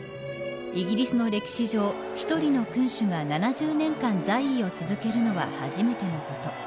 イギリスの歴史上一人の君主が７０年間在位を続けるのは初めてのこと。